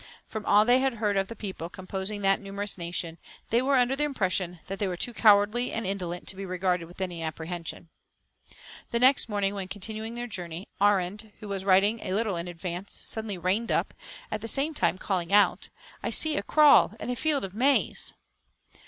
From all they had heard of the people composing that numerous nation, they were under the impression that they were too cowardly and indolent to be regarded with any apprehension. The next morning, when continuing their journey, Arend, who was riding a little in advance, suddenly reined up, at the same time, calling out "I see a kraal and a field of maize."